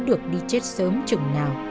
được đi chết sớm chừng nào